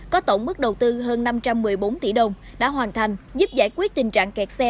có tổng mức đầu tư hơn năm trăm một mươi bốn tỷ đồng đã hoàn thành giúp giải quyết tình trạng kẹt xe